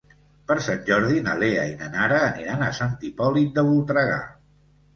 Per Sant Jordi na Lea i na Nara aniran a Sant Hipòlit de Voltregà.